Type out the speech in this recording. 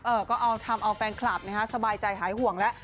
เออก็เอาทำเอาแฟนคลับนะฮะสบายใจหายห่วงแล้ว